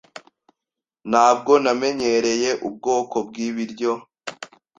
Ntabwo namenyereye ubwoko bwibiryo.